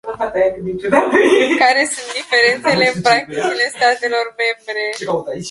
Care sunt diferențele în practicile statelor membre?